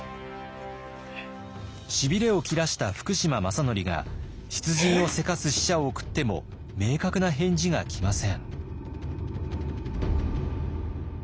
しびれを切らした福島正則が出陣をせかす使者を送っても明確な返事が来ません。